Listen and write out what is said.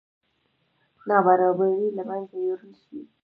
نابرابرۍ له منځه یوړل شي.